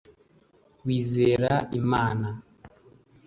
wizera imana